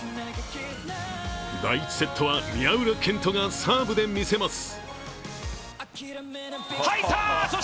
第１セットは宮浦健人がサーブで見せます。